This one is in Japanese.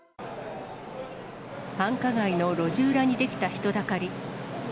繁華街の路地裏に出来た人だかり。